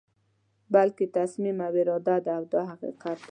بلکې تصمیم او اراده ده دا حقیقت دی.